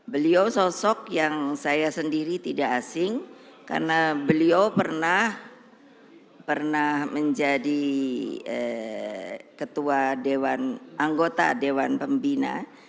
beliau sosok yang saya sendiri tidak asing karena beliau pernah menjadi ketua anggota dewan pembina